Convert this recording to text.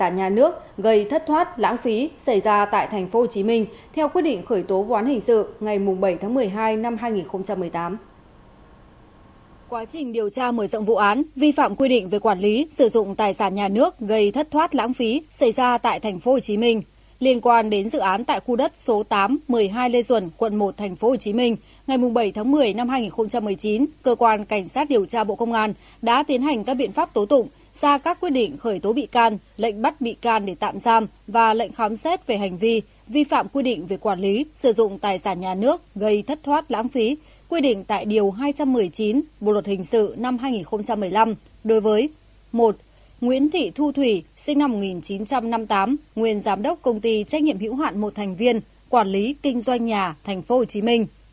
một nguyễn thị thu thủy sinh năm một nghìn chín trăm năm mươi tám nguyên giám đốc công ty trách nhiệm hiểu hoạn một thành viên quản lý kinh doanh nhà tp hcm